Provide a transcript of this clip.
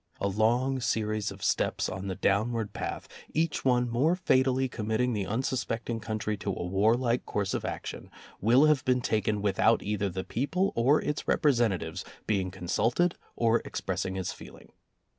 A long series of steps on the down ward path, each one more fatally committing the unsuspecting country to a warlike course of action will have been taken without either the people or its representatives being consulted or expressing its feeling.